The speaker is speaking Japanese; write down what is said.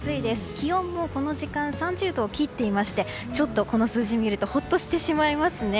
気温も、この時間３０度を切っていましてちょっと、この数字を見るとほっとしてしまいますね。